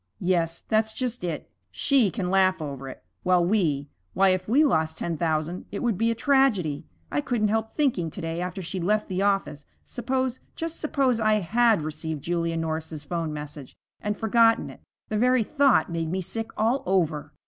'Yes, that's just it. She can laugh over it, while we why, if we lost ten thousand it would be a tragedy. I couldn't help thinking to day after she'd left the office, suppose, just suppose, I had received Julia Norris's 'phone message and forgotten it. The very thought made me sick all over.'